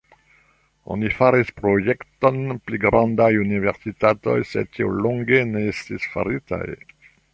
Oni faris projektojn pri pliaj universitatoj, sed tio longe ne estis faritaj.